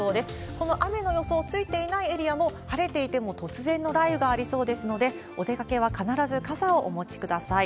この雨の予想ついていないエリアも、晴れていても突然の雷雨がありそうですので、お出かけは必ず傘をお持ちください。